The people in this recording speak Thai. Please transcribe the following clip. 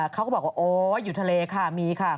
เขาก็บอกว่าโอ๊ยอยู่ทะเลค่ะมีค่ะ